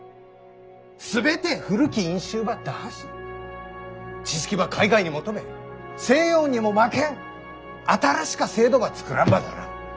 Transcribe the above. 全て古き因襲ば打破し知識ば海外に求め西洋にも負けん新しか制度ば作らんばならん。